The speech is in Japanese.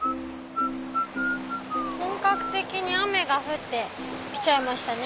本格的に雨が降ってきちゃいましたね。